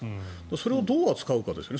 それをどう扱うかですよね。